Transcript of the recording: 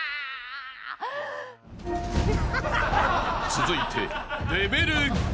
［続いて］